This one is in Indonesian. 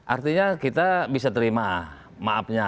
artinya kita bisa terima maafnya